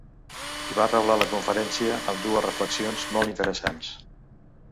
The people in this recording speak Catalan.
I va reblar la conferència amb dues reflexions molt interessants.